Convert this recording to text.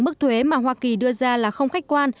mức thuế mà hoa kỳ đưa ra là không khách quan